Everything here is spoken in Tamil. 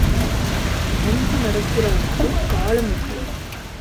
அஞ்சி நடக்கிறவனுக்குக் காலம் இல்லை.